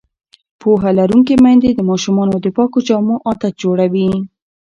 پوهه لرونکې میندې د ماشومانو د پاکو جامو عادت جوړوي.